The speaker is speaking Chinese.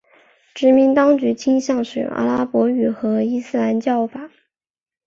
殖民当局倾向使用阿拉伯语和伊斯兰教法。